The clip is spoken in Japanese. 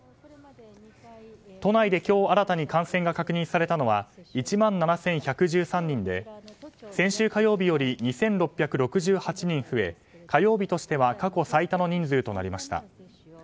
都内で今日新たに感染が確認されたのは１万７１１３人で先週火曜日より２６６８人増え、火曜日としては過去最多の人数となりました。